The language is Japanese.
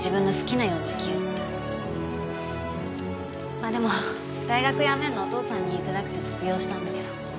まあでも大学やめるのお父さんに言いづらくて卒業したんだけど。